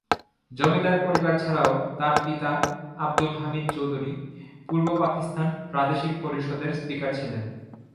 জমিদার পরিবার ছাড়াও, তার পিতা আবদুল হামিদ চৌধুরী পূর্ব পাকিস্তান প্রাদেশিক পরিষদের স্পিকার ছিলেন।